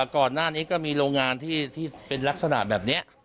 ก่อนหน้านี้ก็มีโรงงานที่เป็นลักษณะแบบนี้